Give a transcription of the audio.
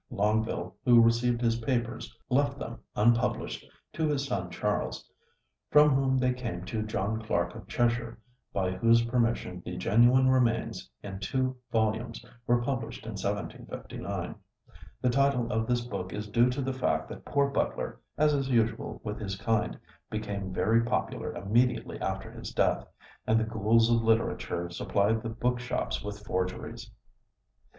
Longueville, who received his papers, left them, unpublished, to his son Charles; from whom they came to John Clarke of Cheshire, by whose permission the 'Genuine Remains' in two volumes were published in 1759. The title of this book is due to the fact that poor Butler, as is usual with his kind, became very popular immediately after his death, and the ghouls of literature supplied the book shops with forgeries.